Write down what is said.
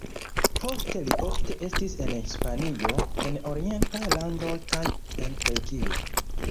Poste li ofte estis en Hispanio, en orientaj landoj kaj en Grekio.